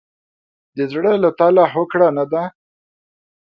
د زړه له تله هوکړه نه ده.